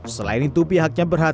selain itu pihaknya berharga